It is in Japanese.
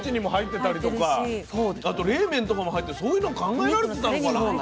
あと冷麺とかも入ってそういうの考えられてたのかな。